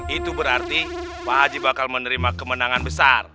itu berarti pak haji bakal menerima kemenangan besar